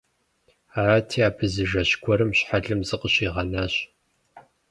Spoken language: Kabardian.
Арати, абы зы жэщ гуэрым щхьэлым зыкъыщӀигъэнащ.